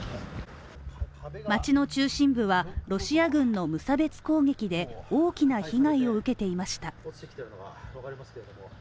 街の中心部はロシア軍の無差別攻撃で大きな被害を受けていました。